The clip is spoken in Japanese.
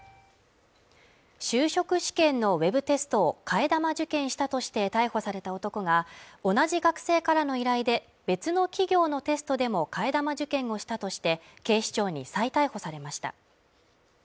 就職試験のウェブテストを替え玉受検したとして逮捕された男が同じ学生からの依頼で別の企業のテストでも替え玉受検をしたとして警視庁に再逮捕されました